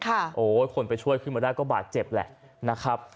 โอ้โหคนไปช่วยขึ้นมาได้ก็บาดเจ็บแหละนะครับ